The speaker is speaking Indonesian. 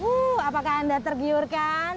huh apakah anda tergiur kan